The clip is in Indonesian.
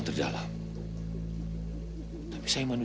trus kau gak lupakan aku